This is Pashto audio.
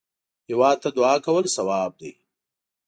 هېواد ته دعا کول ثواب دی